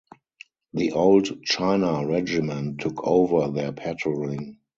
The old "China Regiment" took over their patrolling.